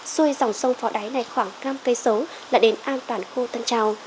xôi sòng sông phó đáy này khoảng năm km là đến an toàn khu tân trào